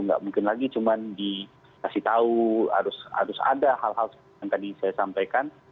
nggak mungkin lagi cuma dikasih tahu harus ada hal hal seperti yang tadi saya sampaikan